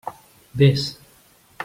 Vés.